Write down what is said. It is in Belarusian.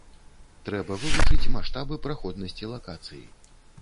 Трэба вывучыць маштабы праходнасці лакацыі.